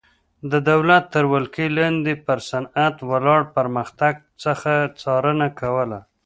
د دولت تر ولکې لاندې پر صنعت ولاړ پرمختګ څخه څارنه کوله.